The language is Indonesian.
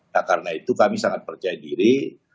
nah karena itu kami sangat percaya diri